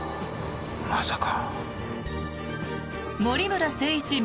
まさか。